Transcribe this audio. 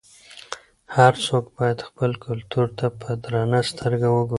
هر څوک باید خپل کلتور ته په درنه سترګه وګوري.